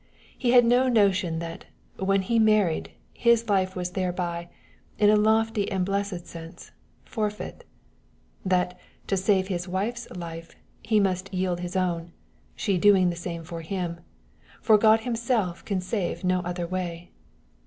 He had no notion that, when he married, his life was thereby, in a lofty and blessed sense, forfeit; that, to save his wife's life, he must yield his own, she doing the same for him for God himself can save no other way.